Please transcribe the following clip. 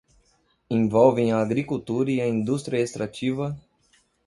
envolvem a agricultura e a indústria extrativa